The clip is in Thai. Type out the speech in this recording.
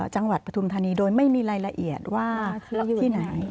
จังหวัดปฐุมธนีย์โดยไม่มีรายละเอียดว่าที่ไหน